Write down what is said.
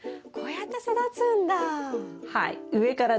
こうやって育つんだ。